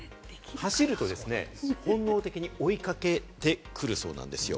走ると本能的に追いかけてくるそうなんですよ。